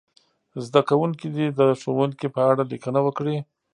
زده کوونکي دې د ښوونکي په اړه لیکنه وکړي.